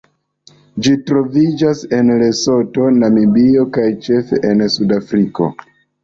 Ĝi troviĝas en Lesoto, Namibio kaj ĉefe en Sudafriko.